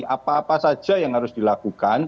apa apa saja yang harus dilakukan